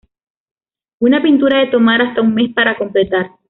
Una pintura de tomar hasta un mes para completar.